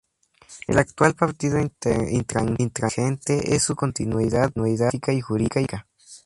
El actual Partido Intransigente es su continuidad política y jurídica.